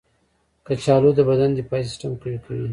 کچالو د بدن دفاعي سیستم قوي کوي.